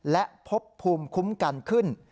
และพบภูมิคุ้มกันขึ้น